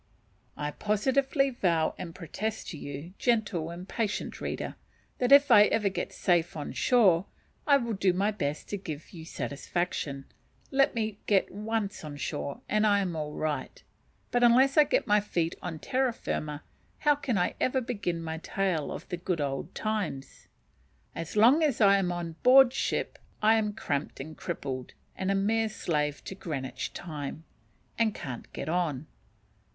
I positively vow and protest to you, gentle and patient reader, that if ever I get safe on shore, I will do my best to give you satisfaction; let me get once on shore, and I am all right: but, unless I get my feet on terra firma, how can I ever begin my tale of the good old times? As long as I am on board ship I am cramped and crippled, and a mere slave to Greenwich time, and can't get on.